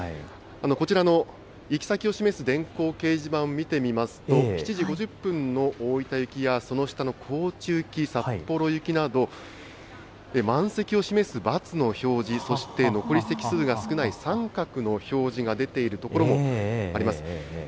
こちらの行き先を示す電光掲示板を見てみますと、７時５０分の大分行きや、その下の高知行き、札幌行きなど、満席を示す×の表示、そして残り席数が少ない△の表示が出ている所もあります。